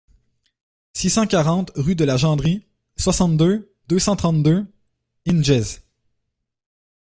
six cent quarante rue de la Jandrie, soixante-deux, deux cent trente-deux, Hinges